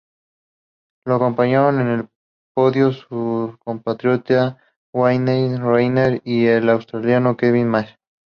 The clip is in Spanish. Le acompañaron en el podio su compatriota Wayne Rainey y el australiano Kevin Magee.